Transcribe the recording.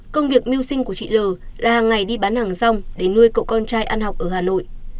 công việc mưu sinh của chị l là hàng ngày đi bán hàng rong để nuôi cậu con trai ăn học ở hà nội